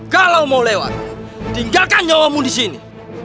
kalau mau lewat tinggalkan nyawamu disini